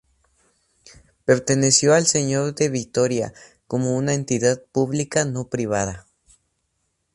Perteneció al Señorío de Vitoria como una entidad pública, no privada.